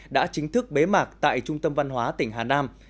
đã chính thức bế mạc tại trung tâm văn hóa tỉnh hà nam